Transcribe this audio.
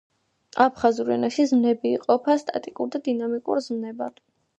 აფხაზურ ენაში ზმნები იყოფა სტატიკურ და დინამიკურ ზმნებად.